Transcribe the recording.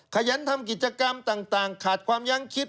ขยันทำกิจกรรมต่างขาดความยั้งคิด